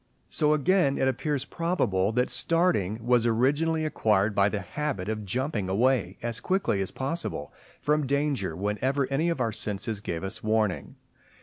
So again it appears probable that starting was originally acquired by the habit of jumping away as quickly as possible from danger, whenever any of our senses gave us warning.